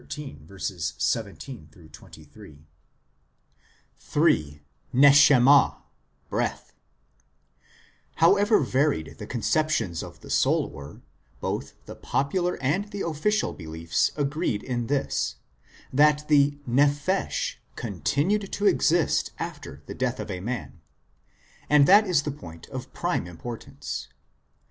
17 23). l III. "NESHAMAH," BREATH However varied the conceptions of the soul were, 2 both the popular and the official beliefs agreed in this, that the nephesh continued to exist after the death of a man ; and that is the point of prime importance.